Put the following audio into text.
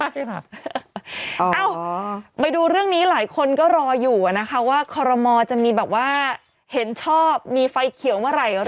อ้าวไปดูเรื่องนี้หลายคนก็รออยู่อะนะคะว่าคอลโรมอล์จะมีฮันนท์ชอบมีไฟเขียวเมื่อไหร่